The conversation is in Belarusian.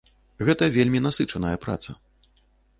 Гэта вельмі насычаная праца.